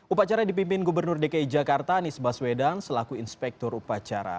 upacara dipimpin gubernur dki jakarta nisbah swedang selaku inspektor upacara